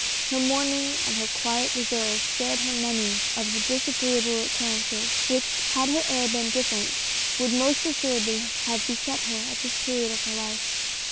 Her mourning and her quiet reserve spared her many of the disagreeable CLOTILDE. 77 occurrences, which, had her air been different, would most assuredly have beset her at this period of her life.